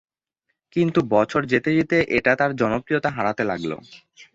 কিন্তু বছর যেতে যেতে এটা তার জনপ্রিয়তা হারাতে লাগলো।